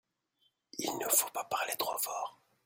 Il ne faut pas parler trop fort !